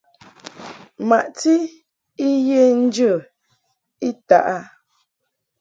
Maʼti I ye njə I taʼ a.